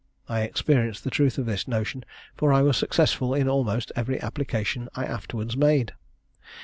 I experienced the truth of this notion, for I was successful in almost every application I afterwards made.